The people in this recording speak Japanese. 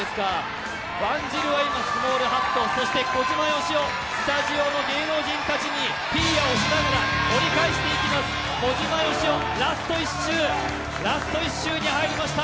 ワンジルは今スモールハット、そして小島よしお、スタジオの芸能人たちにヒィーアをしながら折り返していきます、小島よしおラスト１周に入りました